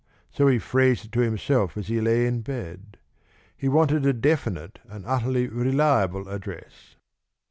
So he phrased it to himself as he lay in bed. He wanted a definite and utterly reliable address.